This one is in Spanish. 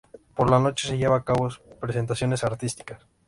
Por la noche se llevan a cabo presentaciones artísticas.